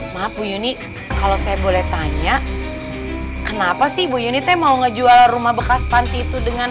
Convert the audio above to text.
maaf bu yuni kalau saya boleh tanya kenapa sih bu yuni teh mau ngejual rumah bekas panti itu dengan